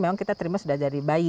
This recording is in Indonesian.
memang kita terima sudah dari bayi